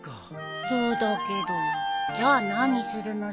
そうだけどじゃあ何するのさ？